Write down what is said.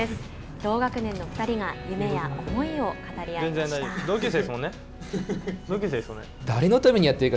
同学年の２人が夢や思いを語り合いました。